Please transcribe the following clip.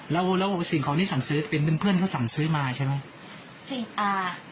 แล้วแล้วสิ่งของที่สั่งซื้อเป็นเพื่อนเพื่อนเขาสั่งซื้อมาใช่ไหมสิ่งอ่า